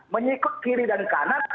menyikuk kiri dan kanan